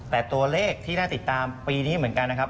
แต่ตัวเลขที่น่าติดตามปีนี้เหมือนกันนะครับ